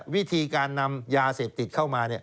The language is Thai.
วิธีการนำยาเสพติดเข้ามา